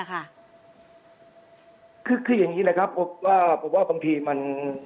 คืออย่างนี้แหละครับบอกว่าบางทีมัน